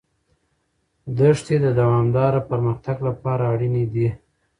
دښتې د دوامداره پرمختګ لپاره اړینې دي.